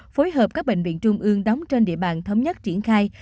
phối hợp các bệnh viện trung ương đóng trên địa bàn thống nhất triển khai